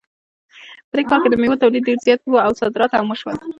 په دې کال کې د میوو تولید ډېر زیات و او صادرات هم وشول